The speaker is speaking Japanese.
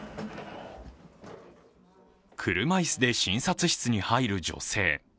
車椅子で診察室に入る女性。